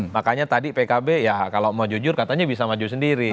makanya tadi pkb ya kalau mau jujur katanya bisa maju sendiri